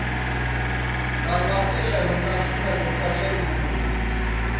Karmat̆eşa noǩançxule doǩaçeri vulut̆it.